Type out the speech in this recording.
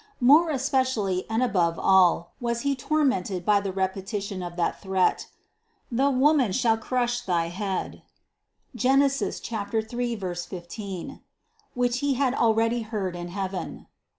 More especially and above all was he tormented by the repeti tion of that threat: The Woman shall crush thy head (Gen. 3, 15), which he had already heard in heaven.